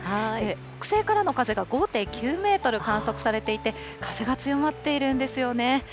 北西からの風が５．９メートル観測されていて、風が強まっているんですよね。